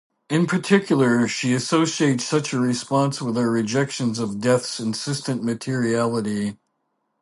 In particular, she associates such a response with our rejection of death's insistent materiality.